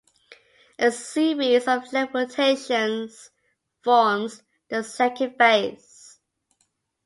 A series of left-rotations forms the second phase.